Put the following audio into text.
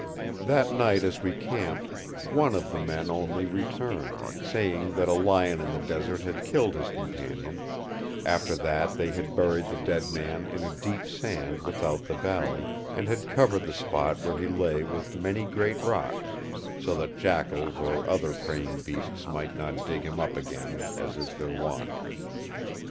"That night as we camped, one of the men only returned, saying that a lion of the desert had killed his companion after that they had buried the dead man in a deep sand without the valley, and had covered the spot where he lay with many great rocks, so that jackals or other preying beasts might not dig him up again as is their wont.